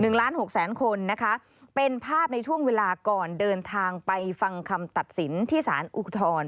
ล้านหกแสนคนนะคะเป็นภาพในช่วงเวลาก่อนเดินทางไปฟังคำตัดสินที่สารอุทธรณ์